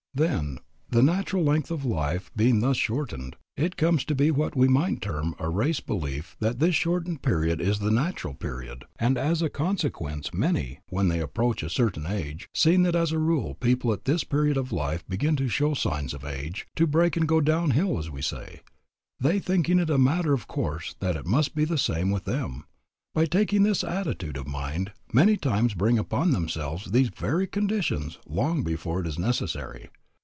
Then, the natural length of life being thus shortened, it comes to be what we might term a race belief that this shortened period is the natural period. And as a consequence many, when they approach a certain age, seeing that as a rule people at this period of life begin to show signs of age, to break and go down hill as we say, they, thinking it a matter of course and that it must be the same with them, by taking this attitude of mind, many times bring upon themselves these very conditions long before it is necessary.